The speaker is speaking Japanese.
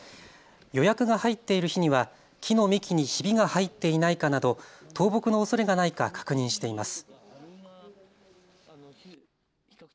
予約が入っている日には木の幹にひびが入っていないかなど倒木のおそれがないか確認しています。